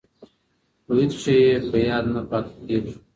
خو هېڅ شی یې په یاد نه پاتې کېده.